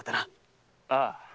ああ。